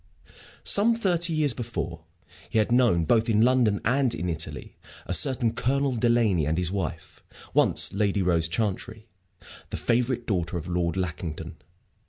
Some thirty years before, he had known, both in London and in Italy, a certain Colonel Delaney and his wife, once Lady Rose Chantrey, the favorite daughter of Lord Lackington.